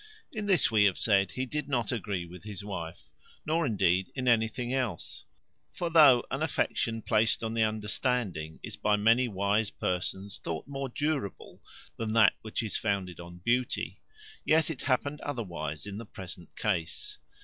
In this, we have said, he did not agree with his wife; nor, indeed, in anything else: for though an affection placed on the understanding is, by many wise persons, thought more durable than that which is founded on beauty, yet it happened otherwise in the present case.